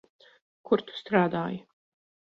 Kur tu strādāji?